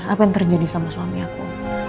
apa yang terjadi sama suami aku